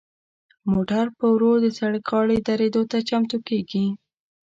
موټر په ورو د سړک غاړې دریدو ته چمتو کیږي.